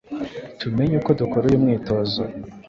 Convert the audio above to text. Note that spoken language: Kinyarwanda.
Tumenye uko dukora uyu mwitozo